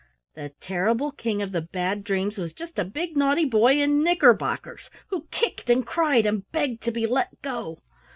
The terrible King of the Bad Dreams was just a big naughty boy in knickerbockers who kicked and cried and begged to be let go!